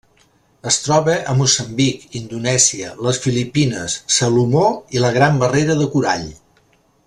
Es troba a Moçambic, Indonèsia, les Filipines, Salomó i la Gran Barrera de Corall.